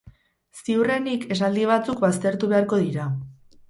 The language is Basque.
Ziurrenik esaldi batzuk baztertu beharko dira.